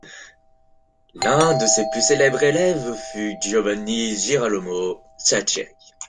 L'un de ses plus célèbres élèves fut Giovanni Girolamo Saccheri.